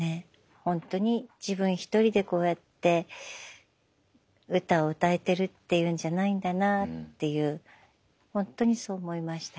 ほんとに自分１人でこうやって歌を歌えてるっていうんじゃないんだなぁっていう本当にそう思いました。